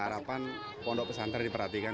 harapan pondok pesantri diperhatikan